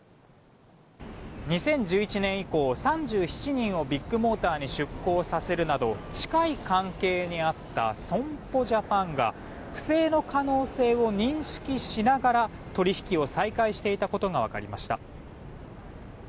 ２０１１年以降３７人をビッグモーターに出向させるなど近い関係にあった損保ジャパンが不正の可能性を認識しながら取引を再開していたことが分かりました。